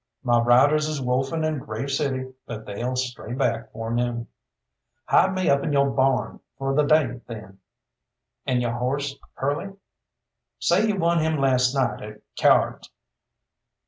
"My riders is wolfing in Grave City, but they'll stray back 'fore noon." "Hide me up in yo' barn fo' the day, then." "An yo' horse, Curly?" "Say you won him last night at cyards.